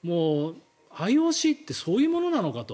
ＩＯＣってそういうものなのかと。